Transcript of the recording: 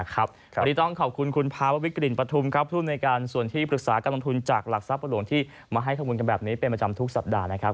วันนี้ต้องขอบคุณคุณภาววิกริณปฐุมครับภูมิในการส่วนที่ปรึกษาการลงทุนจากหลักทรัพย์หลวงที่มาให้ข้อมูลกันแบบนี้เป็นประจำทุกสัปดาห์นะครับ